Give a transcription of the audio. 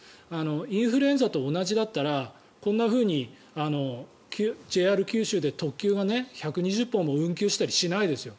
インフルエンザと同じだったらこんなふうにＪＲ九州で特急が１２０本も運休したりしないですよ。